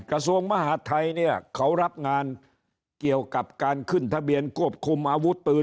กระทรวงมหาดไทยเนี่ยเขารับงานเกี่ยวกับการขึ้นทะเบียนควบคุมอาวุธปืน